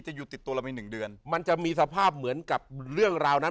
อยู่ติดตัวเราไปหนึ่งเดือนมันจะมีสภาพเหมือนกับเรื่องราวนั้น